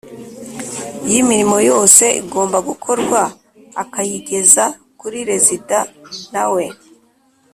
y imirimo yose igomba gukorwa Akayigeza kuri Rezida na we